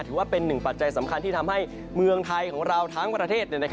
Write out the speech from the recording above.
ถือว่าเป็นหนึ่งปัจจัยสำคัญที่ทำให้เมืองไทยของเราทั้งประเทศ